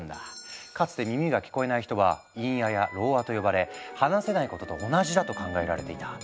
かつて耳が聞こえない人は「いんあ」や「ろうあ」と呼ばれ「話せないこと」と同じだと考えられていた。